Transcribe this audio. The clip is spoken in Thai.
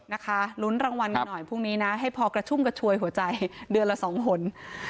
นะคะลุ้นรางวัลกันหน่อยพรุ่งนี้นะให้พอกระชุ่มกระชวยหัวใจเดือนละสองหน